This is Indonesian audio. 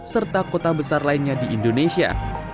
serta kota besar lainnya di indonesia